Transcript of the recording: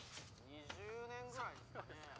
２０年ぐらいっすかねぇ。